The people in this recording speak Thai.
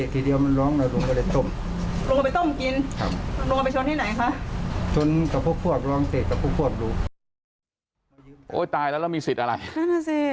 โธ่มีสิทธิ์ไหน